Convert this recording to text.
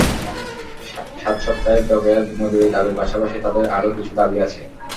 সাত সপ্তাহের বকেয়া মজুরির দাবির পাশাপাশি তাঁদের আরও কিছু দাবি আছে।